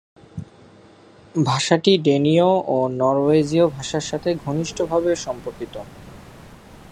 ভাষাটি ডেনীয় ও নরওয়েজীয় ভাষার সাথে ঘনিষ্ঠভাবে সম্পর্কিত।